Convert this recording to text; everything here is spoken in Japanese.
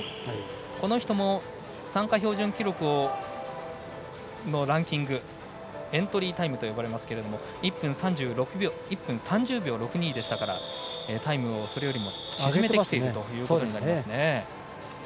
この人も参加標準記録のランキングエントリータイムと呼ばれますが１分３０秒６２でしたからタイムを、それよりも縮めてきていますね。